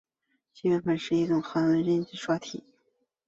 基本体是一种韩文印刷体。